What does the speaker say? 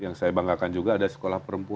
yang saya banggakan juga ada sekolah perempuan